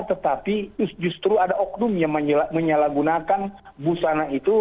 tetapi justru ada oknum yang menyalahgunakan busana itu